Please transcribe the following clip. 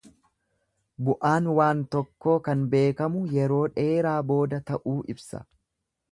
Bu'aan waan tokkoo kan beekamu yeroo dheeraa booda ta'uu ibsa.